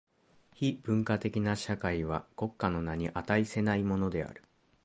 非文化的な社会は国家の名に価せないものである。